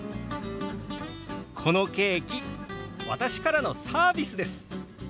このケーキ私からのサービスです！